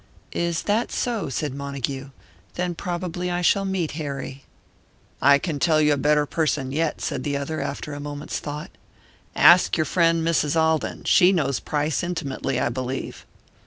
"Is that so?" said Montague. "Then probably I shall meet Harry." "I can tell you a better person yet," said the other, after a moment's thought. "Ask your friend Mrs. Alden; she knows Price intimately, I believe."